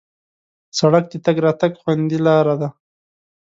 سړک د تګ راتګ خوندي لاره ده.